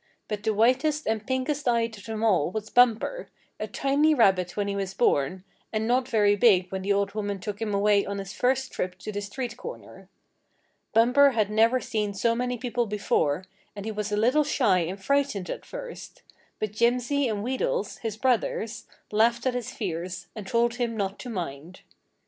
But the whitest and pinkest eyed of them all was Bumper, a tiny rabbit when he was born, and not very big when the old woman took him away on his first trip to the street corner. Bumper had never seen so many people before, and he was a little shy and frightened at first; but Jimsy and Wheedles, his brothers, laughed at his fears, and told him not to mind.